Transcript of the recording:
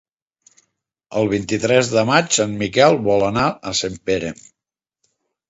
El vint-i-tres de maig en Miquel vol anar a Sempere.